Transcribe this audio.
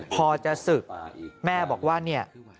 พอจะศึกแม่บอกว่าเนี่ย